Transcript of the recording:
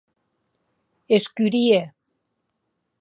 Escurie.